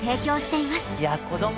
いや子ども